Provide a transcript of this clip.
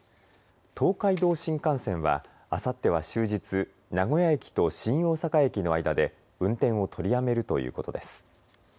東海道新幹線はあさっては終日名古屋駅と新大阪駅の間で運転を取りやめるということです。